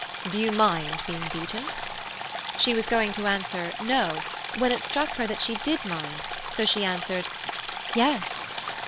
"Do you mind being beaten?" She was going to answer, "No," when it struck her that she did mind, so she answered, "Yes."